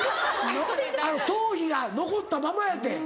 頭皮が残ったままやて。